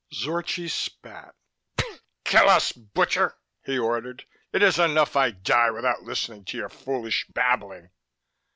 Zorchi spat. "Kill us, butcher," he ordered. "It is enough I die without listening to your foolish babbling."